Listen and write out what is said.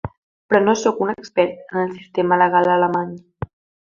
Però no sóc un expert en el sistema legal alemany.